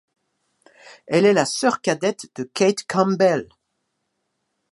Elle est la sœur cadette de Cate Campbell.